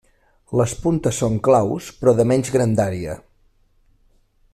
Les puntes són claus però de menys grandària.